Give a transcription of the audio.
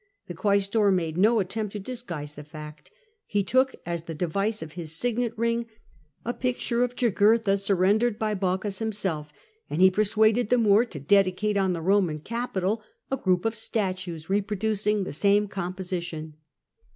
The quaestor made no attempt to disguise the fact ; he took as the device of his signet ring a picture of Jngurtha surrendered by Bocchus to himself, and he persuaded the Moor to dedicate on the Eoman Capitol a group of statues reproducing the same com position.